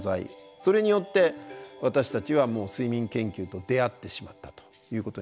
それによって私たちはもう睡眠研究と出会ってしまったということになります。